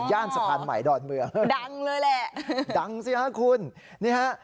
สะพานใหม่ดอนเมืองดังเลยแหละดังสิฮะคุณนี่ฮะ